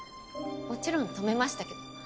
もちろん止めましたけど。